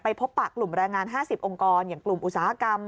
พบปากกลุ่มแรงงาน๕๐องค์กรอย่างกลุ่มอุตสาหกรรม